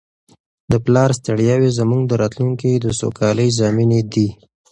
د پلار ستړیاوې زموږ د راتلونکي د سوکالۍ ضامنې دي.